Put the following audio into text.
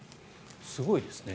すごいですね。